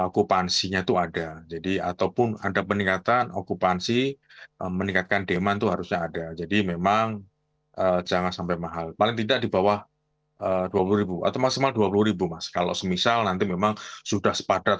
kalau misal nanti memang sudah sepadat